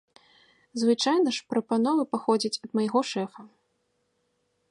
Звычайна ж прапановы паходзяць ад майго шэфа.